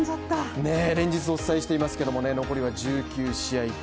連日お伝えしていますけれど、残りは１９試合。